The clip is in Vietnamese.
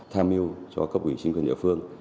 theo mưu cho cấp ủy sinh quyền địa phương